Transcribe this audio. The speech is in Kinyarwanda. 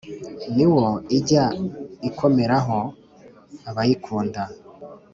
ni wo ijya ikomeraho abayikunda.